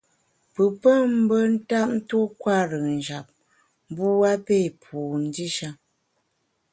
Pù pé mbe ntap tuo kwer-ùn njap, mbu a pé pu ndishe.